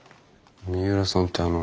三浦さんってあの。